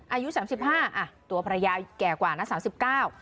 อายุสามสิบห้าอ่ะตัวภรรยาแก่กว่านะสามสิบเก้า